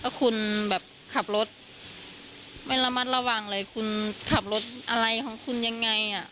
คุณแบบขับรถไม่ระมัดระวังเลยคุณขับรถอะไรของคุณยังไงอ่ะ